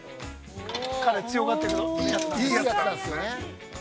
◆彼強がっているけど、いいやつなんですよ。